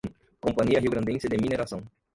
Companhia Riograndense de Mineração